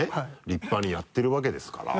立派にやってるわけですから。